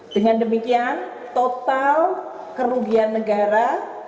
dengan demikian total kerugian negara